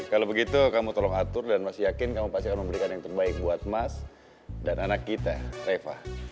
kalau begitu kamu tolong atur dan masih yakin kamu pasti akan memberikan yang terbaik buat mas dan anak kita reva